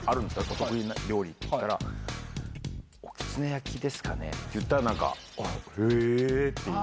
得意料理とかって言ったら、おきつね焼きですかねって言ったらなんかへーって。